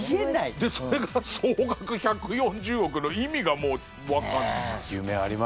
それが総額１４０億の意味がもうわからない。